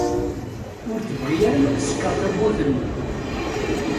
Ur tebɣi ara ad tsekkeṛ tewwurt-nni.